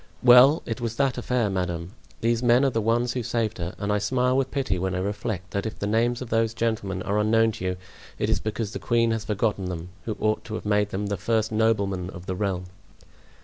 "Well, it was that affair, madame; these men are the ones who saved her; and I smile with pity when I reflect that if the names of those gentlemen are unknown to you it is because the queen has forgotten them, who ought to have made them the first noblemen of the realm."